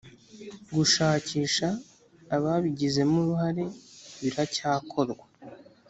gushakisha ababigizemo uruhare biracyakorwa